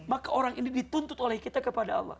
maka orang ini dituntut oleh kita kepada allah